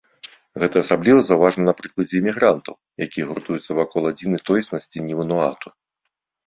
Гэта асабліва заўважна на прыкладзе эмігрантаў, якія гуртуюцца вакол адзінай тоеснасці ні-вануату.